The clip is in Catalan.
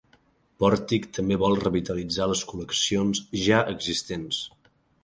Pòrtic també vol revitalitzar les col·leccions ja existents.